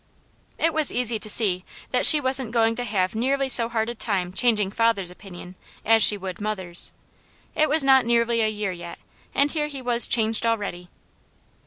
It was easy to see that she wasn't going to have nearly so hard a time changing father's opinion as she would mother's. It was not nearly a year yet, and here he was changed already.